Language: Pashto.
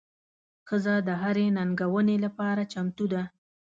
ښځه د هرې ننګونې لپاره چمتو ده.